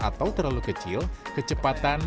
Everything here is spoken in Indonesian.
atau terlalu kecil kecepatan